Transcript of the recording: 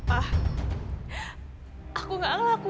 nah siapa yang datang five coy